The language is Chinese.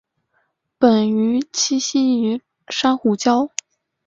本鱼栖息于珊瑚礁。